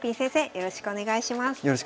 よろしくお願いします。